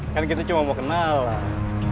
kan kita cuma mau kenal lah